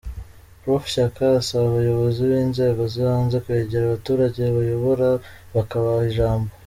Prof Shyaka asaba abayobozi b’inzego z’ibanze kwegera abaturage bayobora, bakabaha ijambo.